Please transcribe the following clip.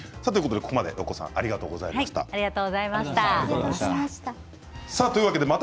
ここまで、ろこさんありがとうございました。